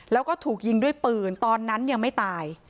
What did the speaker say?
แล้วก็ถูกยิงด้วยปืนตอนนั้นยังไม่ตาย